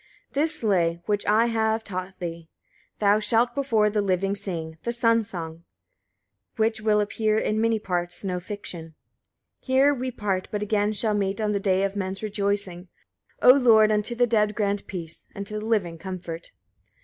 81. This lay, which I have taught thee, thou shalt before the living sing, the Sun Song, which will appear in many parts no fiction. 82. Here we part, but again shall meet on the day of men's rejoicing. Oh Lord! unto the dead grant peace, and to the living comfort. 83.